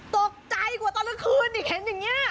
ตกใจกว่าตอนกลางคืนอย่างนี้